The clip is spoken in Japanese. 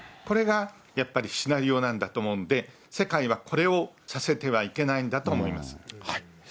これがやっぱり、シナリオなんだと思うんで、世界はこれをさせてはいけないんだと思います。